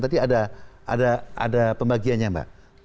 tadi ada pembagiannya mbak